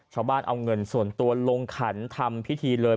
ชาวบ้านเอาเงินส่วนตัวลงขันทำพิธีเลย